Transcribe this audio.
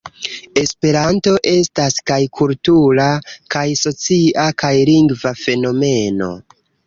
Esperanto estas kaj kultura, kaj socia, kaj lingva fenomeno.